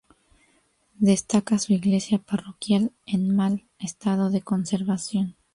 Destaca su iglesia parroquial en mal estado de conservación.